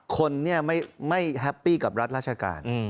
คนไม่แฮปปี้กับรัฐราชการ